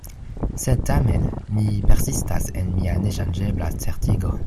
Sed tamen mi persistas en mia neŝanĝebla certigo.